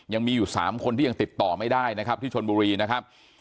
ยังมีอยู่๓คนที่ยังติดต่อไม่ได้นะครับที่ชนบุรีนะครับ